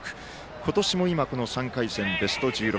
今年も、３回戦、ベスト１６。